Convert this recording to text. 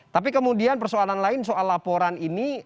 tapi kemudian persoalan lain soal laporan ini